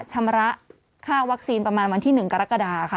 ชำระค่าวัคซีนประมาณวันที่๑กรกฎาค่ะ